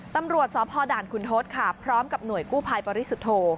ตำรวจสพด่านคุณทศค่ะพร้อมกับหน่วยกู้ภัยปริสุทธโธ